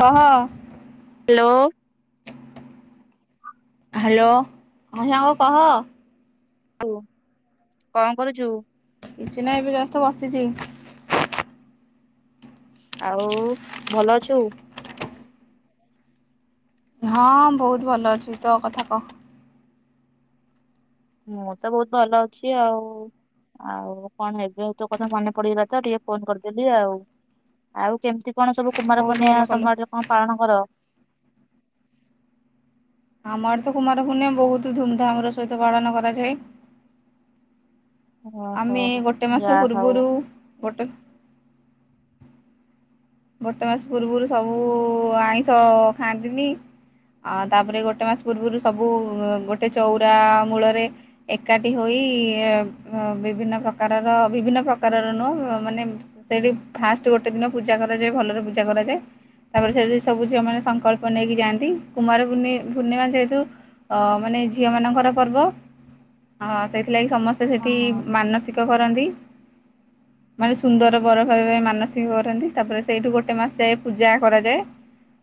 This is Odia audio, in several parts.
ହହ ହ୍ୟାଲୋ। ହ୍ୟାଲୋ ହଁ ସାଙ୍ଗ କହ। ହ କଣ କରୁଛୁ। କିଛି ନାହିଁ ଏବେ ଜଷ୍ଟ ବସିଛି। ଆଉ ଭଲ ଅଛୁ। ହଁ ବହୁତ ଭଲ ଅଛି ତୋ କଥା କହ। ମୁଁ ତ ବହୁତ ଭଲ ଅଛି ଆଉ ଆଉ କଣ ହେବେ ତୋ କଥା ମନେ ପଡିଗଲା ତ ଟିକେ ଫୋନ କରିଦେଲି ଆଉ ଆଉ କେମିତି। କଣ ସବୁ କୁମାର ବହୁତ ଭଲ ପୂର୍ଣ୍ଣିମା କଲୁ। ତମ ଆଡେ ସବୁ ପାଳନ କର। ଆମ ଆଡେ ତ କୁମାର ପୂର୍ଣ୍ଣିମା ବହୁତ ଧୁମଧାମ ର ସହିତ ପାଳନ କରାଯାଏ। ଓହୋ ଆମେ ଗୋଟେ ମାସ ଯାହା ହଉ ପୂର୍ବରୁ ଗୋଟେ ଗୋଟେ ମାସ ପୂର୍ବରୁ ସବୁ ଆଇଁଷ ଖାଆନ୍ତିନି ଆ ତାପରେ ଗୋଟେ ମାସ ପୂର୍ବରୁ ସବୁ ଗୋଟେ ଚଉରା ମୂଳରେ ଏକାଠି ହୋଇ ବିଭିନ୍ନ ପ୍ରକାରର ବିଭିନ୍ନ ପ୍ରକାରର ନୁହ ମାନେ ସେଇଠି ଫାଷ୍ଟ ଗୋଟେ ଦିନ ପୂଜା କର। ଭଲରେ ପୂଜା କରାଯାଏ ତାପରେ ସେ ସବୁ ଝିଅ ମାନ ସଂକଳ୍ପ ନେଇକି ଯାଆନ୍ତି କୁମାର ପୂର୍ଣିମା ଯେହେତୁ ମାନେ ଝିଅ ମଙ୍କର ପର୍ବ ସେଥିଲା। ସମସ୍ତେ ସେଠି ହଁ ମାନସିକ। କରନ୍ତି ମାନେ ସୁନ୍ଦର ବର ପାଇବା ପାଇଁ ମାନସିକ କରନ୍ତି ତାପରେ ସେଇଠୁ ଗୋଟେ ମାସ ଯାଏ ପୂଜା କରାଯାଏ।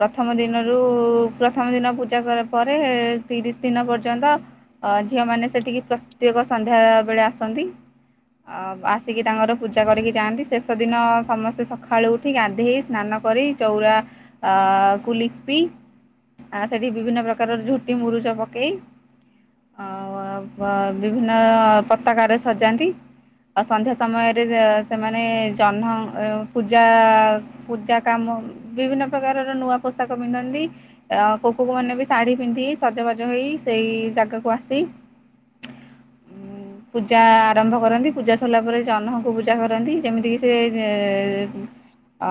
ପ୍ରଥମ ଦିନରୁ ପ୍ରଥମ ଦିନ ପୂଜା କ ପରେ ତିରିଶ ଦିନ ପର୍ଯ୍ୟନ୍ତ ଅ ଝିଅ ମାନେ ସେଠିକି ପ୍ରତ୍ୟେକ ସନ୍ଧ୍ୟାବେେଳେ ଆସନ୍ତି ଆଉ ଆସିକି ତାଙ୍କର ପୂଜା କରିକି ଯାଆନ୍ତି ଶେଷ ଦିନ ସମସ୍ତେ ସକାଳୁ ଉଠ। ଉଠି ଗାନ୍ଧେଇ ସ୍ନାନ କରି ଚଉରା କ ଲିପି ଆ ସେଠି ବିଭିନ୍ନ ପ୍ରକାରର ଝୋଟି ମୁରୁଚ ପକେଇ ଆଉ ବିଭିନ୍ନ ପତାକ ସଜାନ୍ତି ଆଉ ସନ୍ଧ୍ୟା ସମୟରେ ସେମାନେ ଜହ୍ନ ପୂଜା ପା ପୂଜା କାମ ବିଭିନ୍ନ ପ୍ରକାରର ନୂଆ ପୋଷାକ ପିନ୍ଧନ୍ତି କୋକୋକ ମାନେ ବି ଶାଢୀ ପିନ୍ଧି ସଜବାଜ ହେଇ ସେଇ ଜାଗାକୁ ଆସି ପୂଜା ଆରମ୍ଭ କରନ୍ତି ପୂଜା ସରିଲା ପରେ ଜହ୍ନକୁ ପୂଜା କରନ୍ତି ଯେମିତିକି ସେ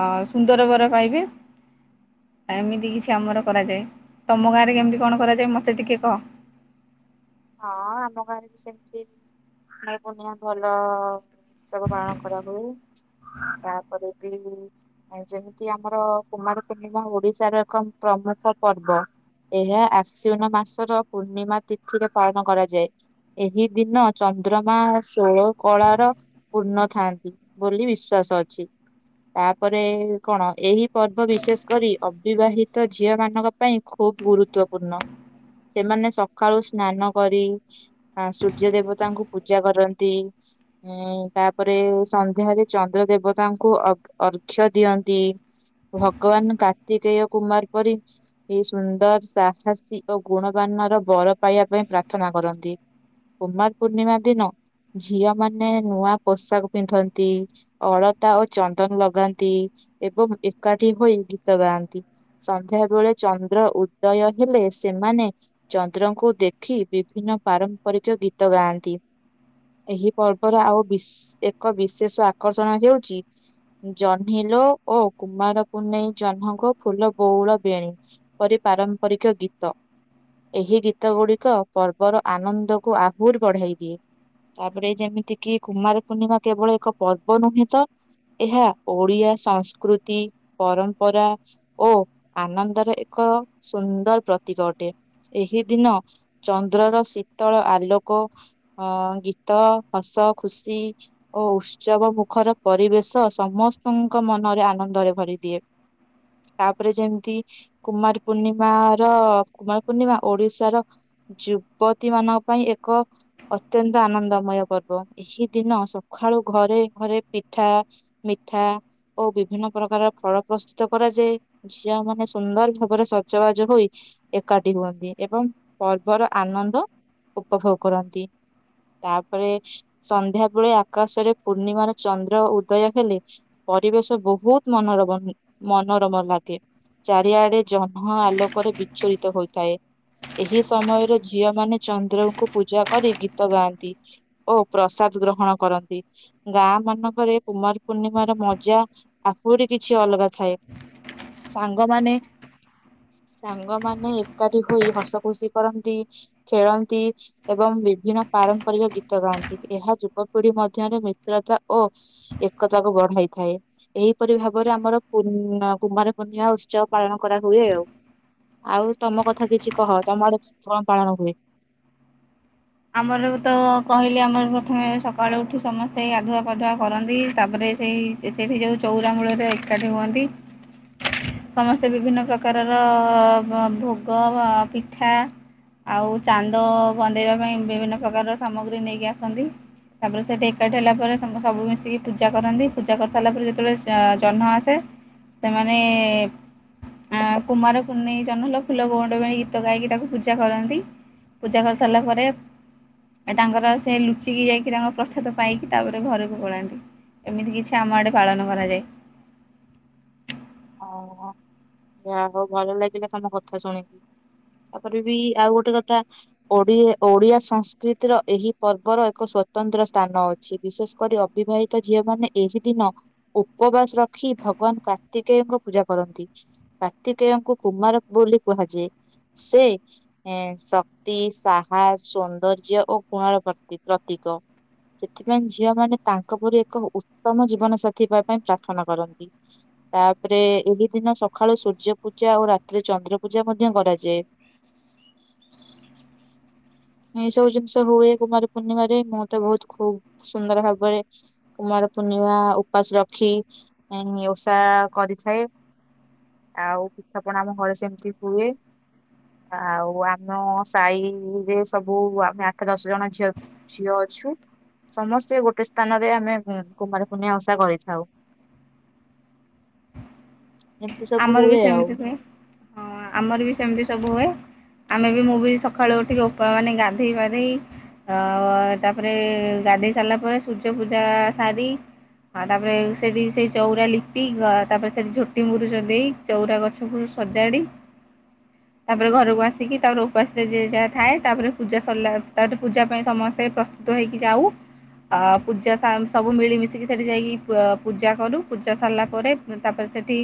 ଅ ସୁନ୍ଦର ବର ପାଇବେ ଏମିତି କିଛି ଆମର କରାଯାଏ ତମ ଗାଁରେ କେମିତି କଣ କରାଯାଏ ମୋତେ ଟିକେ କହ। ହଁ ଆମ ଗାଁରେ ବି ସେମିତି କୁମାର ପୂର୍ଣ୍ଣିମା ଭଲ ଉତ୍ସବ ପାଳନ କରାହୁୁଏ ତାପରେ ବି ଯେମିତି ଆମର କୁମାର ପୂର୍ଣ୍ଣିମା ଓଡିଶାର ଏକ ପ୍ରମୁଖ ପର୍ବ ଏହା ଆଶ୍ୱନ ମାସର ପୂର୍ଣ୍ଣିମା ତିଥିରେ ପାଳନ କରାଯାଏ ଏହି ଦିନ ଚନ୍ଦ୍ରମା ଷୋଳ କଳାର ପୂର୍ଣ୍ଣ ଥାନ୍ତି ବୋଲି ବିଶ୍ଵାସ ଅଛି ତାପରେ କଣ ଏହି ପର୍ବ ବିଶେଷ କରି ଅବିବାହିତ ଝିଅ ମାନଙ୍କ ପାଇଁ ଖୁବ ଗୁରୁତଵପୂର୍ଣ୍ଣ ସେମାନେ ସକାଳୁ ସ୍ନାନ କରି ସୂର୍ଯ୍ୟ ଦେବତାଙ୍କୁ ପୂଜା କରନ୍ତି ଉଁ ତାପରେ ସନ୍ଧ୍ୟାରେ ଚନ୍ଦ୍ର ଦେବତାଙ୍କୁ ଅର୍କ୍ଷ ଦିଅନ୍ତି ଭଗବାନ କାର୍ତ୍ତିକେୟ କୁମାର ପରି ଏ ସୁନ୍ଦର ସାହସୀ ଓ ଗୁଣବାନର ବରଫ ପାଇବା ପାଇଁ ପ୍ରାର୍ଥନା କରନ୍ତି କୁମାର ପୂର୍ଣ୍ଣିମା ଦିନ ଝିଅ ମାନ ନୂଆ ପୋଷାକ ପିନ୍ଧନ୍ତି ଅଳତା ଓ ଚନ୍ଦନ ଲଗାନ୍ତି ଏବଂ ଏକାଠି ହୋଇ ଗୀତ ଗାଆନ୍ତି ସନ୍ଧ୍ୟା ବେଳେ ଚନ୍ଦ୍ର ଉଦୟ ହେଲେ ସେମାନେ ଚନ୍ଦ୍ରଙ୍କୁ ଦେଖି ବିଭିନ୍ନ ପାରମ୍ପରିକ ଗୀତ ଗାଆନ୍ତି ଏହି ପର୍ବର ଆଉ ବି ଏକ ବିଶେଷ ଆକର୍ଷଣ ହେଉଛି ଜହ୍ନିଲୋ ଓ କୁମାର କୁନେଇ ଜହ୍ନଙ୍ଗ ଫୁଲ ବଉଳ ବେଣୀ ପରି ପାରମ୍ପରିକ ଗୀତ ଏହି ଗୀତ ଗୀତ ଗୁଡିକ ପର୍ବର ଆନନ୍ଦକୁ ଆହୁରି ବଢାଇ ଦିଏ ତାପରେ ଯେମିତିକି କୁମାର ପୂର୍ଣ୍ଣିମା କେବଳ ଏକ ପର୍ବ ନୁହେଁ ତ ଏହା ଓଡ଼ିଆ ସଂସ୍କୃତି ପରମ୍ପରା ଓ ଆନନ୍ଦର ଏକ ସୁନ୍ଦର ପ୍ରତୀକ ଅଟେ ଏହି ଦିନ ଚନ୍ଦ୍ରର ଶୀତଳ ଆଲୋକ ଅ ଗୀତ ହସ ଖୁସି ଓ ଉତ୍ସବ ମୁଖର ପରିବେଶ ସମସ୍ତଙ୍କ ମନରେ ଆନନ୍ଦରେ ଭରିଦିଏ ତାପରେ ଯେମିତି କୁମାର ପୂର୍ଣ୍ଣିମାର କୁମାର ପୂର୍ଣ୍ଣିମା ଓଡିଶାର ଯୁବତୀ ମାନଙ୍କ ପାଇଁ ଏକ ଅତ୍ୟନ୍ତ ଆନନ୍ଦମୟ ପର୍ବ ଏହି ଦିନ ସକାଳୁ ଘରେ ଘରେ ପିଠା ମିଠା ଓ ବିଭିନ୍ନ ପ୍ରକାର ଫଳ ପ୍ରସ୍ତୁତ କରାଯାଏ ଝିଅ ମାନେ ସୁନ୍ଦର ଭାବରେ ସଜବାଜ ହୋଇ ଏକାଠି ହୁଅନ୍ତି। ଏବଂ ପର୍ବର ଆନନ୍ଦ ଉପଭୋଗ କରନ୍ତି ତାପରେ ସନ୍ଧ୍ୟାବେେଳେ ଆକାଶରେ ପୂର୍ଣ୍ଣିମାର ଚନ୍ଦ୍ର ଉଦୟ ହେଲେ ପରିବେଶ ବହୁତ ମନୋରମ ମନୋରମ ଲାଗେ ଚାରିଆଡେ ଜହ୍ନ ଆଲୋକରେ ବିଚଳିତ ହୋଇଥାଏ। ଏହି ସମୟରେ ଝିଅ ମାନେ ଚନ୍ଦ୍ରଙ୍କୁ ପୂଜା କରି ଗୀତ ଗାଆନ୍ତି ଓ ପ୍ରସାଦ ଗ୍ରହଣ କରନ୍ତି ଗାଁ ମାନଙ୍କରେ କୁମାର ପୂର୍ଣ୍ଣିମାର ମଜା ଆହୁରି କିଛି ଅଲଗା ଥାଏ ସାଙ୍ଗମାନେ ସାଙ୍ଗମାନେ ଏକ ହୋଇ ହସ ଖୁସି କରନ୍ତି ଖେଳନ୍ତି ଏବଂ ବିଭିନ୍ନ ପାରମ୍ପରିକ ଗୀତ ଗାଆନ୍ତି ଏହା ଯୁବପିଢି ମଧ୍ୟରେ ମିତ୍ରତା ଓ ଏକତାକୁ ବଢାଇଥାଏ ଏହିପରି ଭାବରେ ଆମର କୁମାର ପୂର୍ଣ୍ଣିମା ଉତ୍ସବ ପାଳନ କରାହୁଏ ଆଉ ଆଉ ତମ କଥା କିଛି କହ ତମଡ କଣ ପାଳନ ହୁଏ। ଆମର ତ କହ? ଆମର ପ୍ରଥମେ ସକାଳୁ ଉଠି ସମସ୍ତେ ଆଧୁଆ ପାଧୁଆ କରନ୍ତି ତାପରେ ସେଇ ସେଇଠି ଯଉଁ ଚଉରା ମୂଳରେ ଏକାଠି ହୁଅନ୍ତି ସମସ୍ତେ ବିଭିନ୍ନ ପ୍ରକାରର ଭୋଗ ପିଠା ଆଉ ଚାନ୍ଦ ବନ୍ଦେଇବା ପାଇଁ ବିଭିନ୍ନ ପ୍ରକାରର ସାମଗ୍ରୀ ନେଇକି ଆସନ୍ତି ତାପରେ ସେଠି ଏକାଠି ହେଲା ପରେ ସବୁ ମିଶିକି ପୂଜା କରନ୍ତି ପୂଜା କରିସାରିଲା ପରେ ଯେତେବେଳେ ଜହ୍ନ ଆସେ ସେମାନେ କୁମାର କୁର୍ଣେଇ ଜହ୍ମ ହେଲା ଫୁଲ ଗୋଉଣ୍ଡ ବଣ ଗୀତ ଗାଇକି ତାକୁ ପୂଜା କରନ୍ତି ପୂଜା କରିସାରିଲା ପରେ ତାଙ୍କର ସେ ଲୁଚିକି ଯାଇକି ତାଙ୍କର ପ୍ରସାଦ ପାଇକି ତାପରେ ଘରକୁ ପଳାନ୍ତି ଏମିତି କିଛି ଆମ ଆଡେ ପାଳନ କରାଯାଏ ଓ ହଉ ଭଲ ଲାଗିଲା ତମ କଥା ଶୁଣିକି ତାପରେ ବି ଆଉ ଗୋଟେ କଥା ଓଡି ଓଡିଆ ସଂସ୍କୃତିର ଏହି ପର୍ବର ଏକ ସ୍ଵତନ୍ତ୍ର ସ୍ଥାନ ଅଛି ବିଶେଷ କରି ଅବିବାହିତ ଝିଅ ମାନେ ଏହି ଦିନ ଉପବାସ ରଖି ଭଗବାନା କାର୍ତ୍ତିକେୟଙ୍କୁ ପୂଜା କରନ୍ତି କାର୍ତ୍ତିକେୟଙ୍କୁ କୁମାର ବୋଲି କୁହାଯାଏ ସେ ଶକ୍ତି ସାହସ ସୌନ୍ଦର୍ଯ୍ୟ ଓ ଗୁଣର ପ୍ରତି ପ୍ରତୀକ ସେଥିପାଇଁ ଝିଅ ମାନ ତାଙ୍କ ପରି ଏକ ଉତ୍ତମ ଜୀବନ ସାଥୀ ପାଇଁ ପ୍ରାର୍ଥନା କରନ୍ତି। ତାପରେ ଏହି ଦିନ ସକାଳୁ ସୂର୍ଯ୍ୟ ପୂଜା ଆଉ ରାତିରେ ଚନ୍ଦ୍ର ପୂଜା ମଧ୍ୟ କରାଯାଏ ଏଇ ସବୁ ଜିନିଷ ହୁଏ କୁମାର ପୂର୍ଣ୍ଣିମାରେ ମୁଁ ତ ବହୁତ ଖୁବ ସୁନ୍ଦର ଭାବରେ କୁମାର ପୂର୍ଣ୍ଣିମା ଉପାସ ରଖି ଷା କରିଥାଏ ଆଉ ପିଠାପଣା ଆମ ଘରେ ସେମିତି ହୁଏ ଆଉ ଆମ ସାହିରେ ସବୁ ଆମେ ଆଠ ଦଶ ଜଣ ଝିଅ ଝିଅ ଅଛୁ ସମସ୍ତେ ଗୋଟେ ସ୍ଥାନରେ ଆମେ କୁମାର ପୂର୍ଣ୍ମା ଓଷା କରିଥାଉ। ଏମିତି ସବୁ ଆମର ବି ହୁଏ ଆଉ ସେମିତି ହୁଏ ଆମର ବି ସେମିତି ସବୁ ହୁଏ। ଆମେ ବି ମୁଁ ବି ସକାଳୁ ଉଠିକି ମାନେ ଗାଧେଇ ପାଧେଇ ଆ ତାପରେ ଗାଧେଇ ସାରିଲା ପରେ ସୂର୍ଯ୍ୟ ପୂଜା ସାରି ଆ ତାପରେ ସେଠି ସେଇ ଚଉରା ଲିପି ତାପରେ ସେଠି ଝୋଟିମୁରୁଛନ୍ତି। ଦେଇ ଚଉରା ଗଛକୁ ସଜାଡି ତାପରେ ଘରକୁ ଆସିକି ତାପରେ ଉପାସରେ ଯ ଯାହା ଥାଏ ତାପରେ ପୂା ସିଲା ତାପରେ ପୂଜା ପାଇଁ ସମସ୍ତେ ପ୍ରସ୍ତୁତ ହେଇକି ଯାଉ ଆ ପୂଜା ସବୁ ମିଳିମିଶିକି ସେଠି ଯାଇକି ପୂଜା କରୁ ପୂଜା ସରିଲା ପରେ ତାପରେ ସେଠି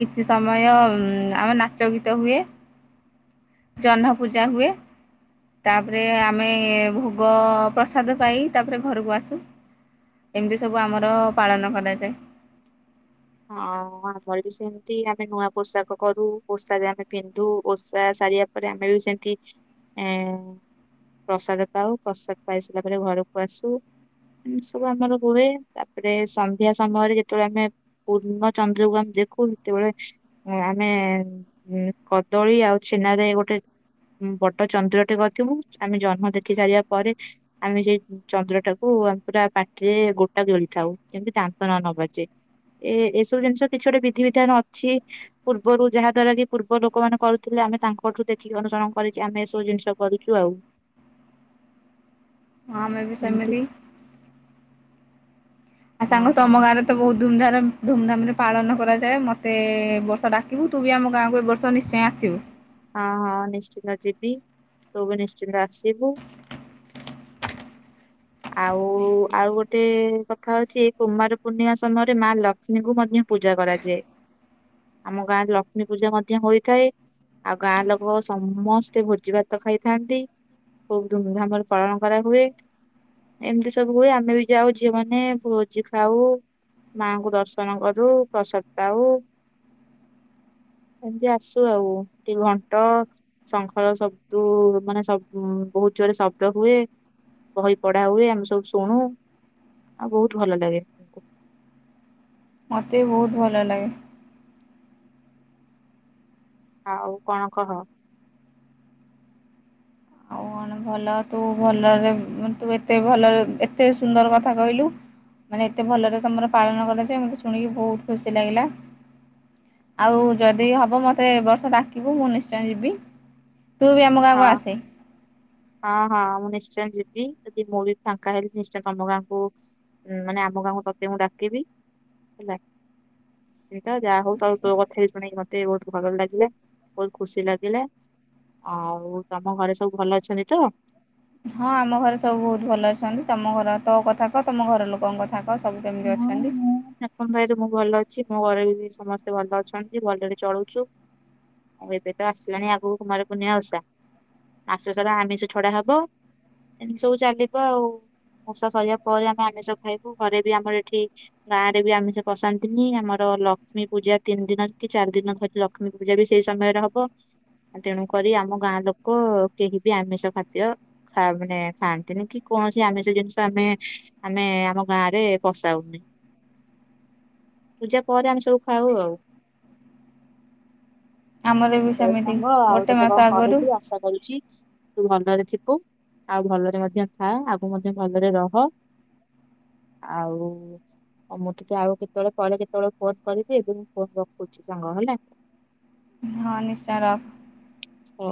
କିଛି ସମୟ ଆମେ ନାଚ ଗୀତ ହୁଏ ଜହ୍ନ ପୂଜା ହୁଏ ତାପରେ ଆମେ ଭୋଗ ପ୍ରସାଦ ପାଇ ତାପରେ ଘରକୁ ଆସୁ ଏମିତି ସବୁ ଆମର ପାଳନ କରାଯାଏ। ହଁ ଆମର ବି ସେମିତି ଆମେ ନୂଆ ପୋଷାକ କରୁ ଓଷାାରେ ଆମେ ପିନ୍ଧୁ ଓଷା ସାରିବା ପରେ ଆମେ ବି ସେମିତି ଏ ପ୍ରସାଦ ପାଉ ପ୍ରସାଦ ପାଇସାରିଲା ପରେ ଘରକୁ ଆସୁ ଏମିତି ସବୁ ଆମର ହୁଏ ତାପରେ ସନ୍ଧ୍ୟା ସମୟରେ ଯେତେବେଳେ ଆମେ ପୂର୍ଣ୍ଣ ଚନ୍ଦ୍ରକୁ ଆମେ ଦେଖୁ ଯେତେବେଳେ ଆମେ କଦଳୀ ଆଉ ଛେନାରେ ଗୋଟେ ବଡ ଚନ୍ଦ୍ରଟେ କରିଥିବୁ ଆମେ ଜହମ ଦେଖି ସାରିବା ପରେ ଆମେ ସେଇ ଚନ୍ଦ୍ରଟାକୁ ଆମେ ପୁରା ପାଟିରେ ଗୋଟା ଜଳିଥାଉ ଯେମିତି ଦାନ୍ତ ନ ନବାଜେ ଏ ଏସବୁ ଜିନିଷ କିଛି ଗୋଟେ ବିଧିିବିଧାନ ଅଛି ପୂର୍ବରୁ ଯାହା ଦ୍ଵାରା କି ପୂର୍ବ ଲୋକମାନୋନେ କରୁଥିଲେ ଆମେ ତାଙ୍କଠୁ ଦେଖିକି ଅନୁସରଣ କରିଛ ଆମେ ଏସବୁ ଜିନିଷ କରୁଛୁ ଆଉ ହଁ ମ ବି ଏମିତି ସମତି ଆଉ ହଁ ସାଙ୍ଗ ହଁ। ତମ ଗାଁରେ ତ ବହୁତ ଧୁମଧାମ ଧୁମଧାମ ରେ ପାଳନ କରାଯାଏ ମତେ ବର୍ଷ ଡାକିବୁ ତୁ ବି ଆମ ଗାଁକୁ ଏ ବର୍ଷ ନିଶ୍ଚୟ ଆସିବୁ ହଁ ହଁ ନିଶ୍ଚିନ୍ତ ଯିବି ତୁ ବି ନିଶ୍ଚିନ୍ତ ଆସିବୁ ଆଉ ଆଉ ଗୋଟେ କଥା ହଉଛି କୁମାର ପୂର୍ଣ୍ଣିମା ସମୟରେ ମା ଲକ୍ଷ୍ମୀଙ୍କୁ ମଧ୍ୟ ପୂଜା କରାଯାଏ ଆମ ଗାଁରେ ଲକ୍ଷ୍ମୀ ପୂଜା ମଧ୍ୟ ହୋଇଥାଏ। ଆଉ ଗାଁ ଲୋକ ସମସ୍ତେ ଭୋଜି ଭାତ ଖାଇଥାନ୍ତି ଖୁବ ଧୁମଧାମରେ ପାଳନ କରାହୁୁଏ ଏମିତି ସବୁ ହୁଏ ଆମେ ବି ଯାଉ ଝିଅ ମାନ ଭୋଜି ଖାଉ ମାଙ୍କୁ ଦର୍ଶନ କରୁ ପ୍ରସାଦ ପାଉ ଏମିତି ଆସୁ ଆଉ ଏଠି ଘଣ୍ଟ ଶଙ୍ଖର ସବୁ ମାନେ ସବ ବହୁତ ଜୋରେ ଶବ୍ଦ ହୁଏ ବହି ପଢା ହୁଏ ଆମେ ସବୁ ଶୁଣୁ ଆଉ ବହୁତ ଭଲ ଲାଗେ ମତେ ବହୁତ ଭଲ ଲାଗେ ଆଉ କଣ କହ? ମେ ଭଲ ତୁ ଭଲରେ ତୁ ଏତେ ଭଲରେ ଏତେ ସୁନ୍ଦର କଥା କହିଲୁ ମାନେ ଏତେ ଭଲରେ ତମର ପାଳନ କରାଯାଏ ମୋତେ ଶୁଣିକି ବହୁତ ଖୁସି ଲାଗିଲା। ଆଉ ହଁ ଯଦି ହବ ମତେ ଏଁ ବର୍ଷ ଡାକିବୁ ମୁଁ ନିଶ୍ଚୟ ଯିବି ତୁ ବି ଆମ ଗାଁକୁ ହଁ ଆସେ ହଁ ହଁ ମୁଁ ନିଶ୍ଚୟ ଯିବି ଯଦି ମୁଁ ବି ଫାଙ୍କା ହେଲି ନିଶ୍ଚୟ ତମ ଗାଁକୁ ମାନେ ଆମ ଗାଁକୁ ତତେ ମୁଁ ଡାକିବି ହେଲା ନିଶ୍ଚିନ୍ତ ଯାହା ହଉ ତ ତୋ କଥା ବି ଶୁଣେଇି ମତେ ବହୁତ ଭଲ ଲାଗିଲେ ବହୁତ ଖୁସି ଲାଗିଲେ ଆଉ ତମ ଘରେ ସବୁ ଭଲ ଅଛନ୍ତି। ତ ହଁ ଆମ ଘରେ ସବୁ ବହୁତ ଭଲ ଅଛନ୍ତି ତମ ଘର ତୋ କଥା କହ ତମ ଘର ଲୋକଙ୍କ କଥା ସେଟାକ ସବୁ କେମିତି ହଁ ଅଛନ୍ତି। ମୁଁ ଠାକୁର ଦୟାରୁ ମୁଁ ଭଲ ଅଛି ମୋ ଘରେ ବି ସମସ୍ତେ ଭଲ ଅଛନ୍ତି ଭଲରେରେ ଚଳୁଛୁ ଆଉ ଏବେ ତ ଆସିଲାଣି ଆଗକୁ କୁମାର ପୂର୍ଣ୍ଣିମା ଓଷା ଆସ ସାରା ଆମିଷ ଛଡା ହବ ଏମିତି ସବୁ ଚାଲିବ ଆଉ ଓଷା ସରିବା ପରେ ଆମେ ଆମିଷ ଖାଇବୁ ଘରେ ବି ଆମର ଏଠି ଗାଁ ରେ ବି ଆମିଷ କସାନ୍ତିନି ଆମର ଲକ୍ଷ୍ମୀ ପୂଜା ତିନି ଦିନ କି ଚାରି ଦିନ ଧ ଲକ୍ଷ୍ମୀ ପୂଜା ବି ସେଇ ସମୟରେ ହବ ତେଣୁକରି ଆମ ଗାଁ ଲୋକ କେହି ବି ଆମିଷ ଖାଦ୍ୟ ମାନେ ଖାଆନ୍ତିନି କି କୌଣସି ଆମିଷ ଜିନିଷ ଆମେ ଆମେ ଆମ ଗାଁରେ ବସାଉନି ପୂଜା ପରେ ଆମେ ସବୁ ଖାଉ ଆଉ ଆମର ବି ହଉ ସେମିତି ସାଙ୍ଗ ଆଉ ଗୋଟେ ତୋତେ ମାସ କଣ ଆଗରୁ କହିବି ଆଶା କରୁଛି ତୁ ଭଲରେ ଥିବୁ ଆଉ ଭଲରେ ମଧ୍ୟ ଥା ଆଗକୁ ମଧ୍ୟ ଭଲରେ ରହ ଆଉ ମୁଁ ଟିକେ ଆଉ କେତେବେଳେ ପରେ କେତେବେଳେ ଫୋନ କରିବି ଏବେ ମୁ ଫୋନ ରଖୁଛି ସାଙ୍ଗ ହେଲା। ହଁ ନିଶ୍ଚୟ ରଖ ହଁ